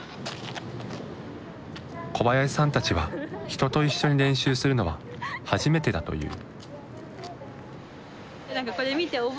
小林さんたちは人と一緒に練習するのは初めてだという。